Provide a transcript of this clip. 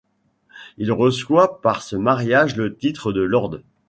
Il reçoit par ce mariage le titre de Lord.